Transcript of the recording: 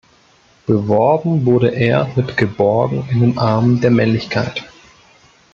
Beworben wurde er mit "Geborgen in den Armen der Männlichkeit".